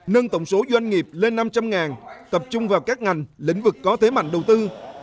nâng tổng số doanh nghiệp lên năm trăm linh tập trung vào các ngành lĩnh vực có thế mạnh đầu tư